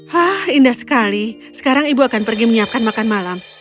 hah indah sekali sekarang ibu akan pergi menyiapkan makan malam